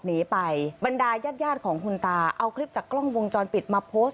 หนีไปบรรดายาดของคุณตาเอาคลิปจากกล้องวงจรปิดมาโพสต์